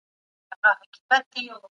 د فساد مخه ونیسئ.